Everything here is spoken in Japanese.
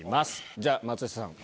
じゃあ松下さん